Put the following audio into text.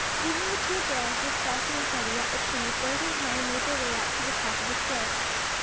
Leaving the two girls, with Flossie and Freddie, at the tree, Bert and Harry made their way up to the top of the slope.